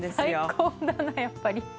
最高だなやっぱり。